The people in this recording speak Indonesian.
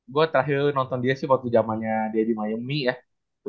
gue terakhir nonton dia sih waktu jamannya dia di miami ya